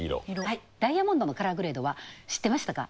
ダイヤモンドのカラーグレードは知ってましたか？